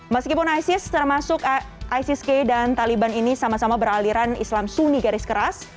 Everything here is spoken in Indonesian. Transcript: meskipun isis termasuk isis k dan taliban ini sama sama beraliran islam suni garis keras